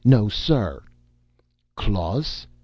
No, sir!" "Claws?